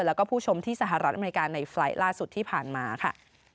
แล้วก็ผู้ชมที่สหรัฐอเมริกาในไฟล์ล่าสุดที่ผ่านมาค่ะ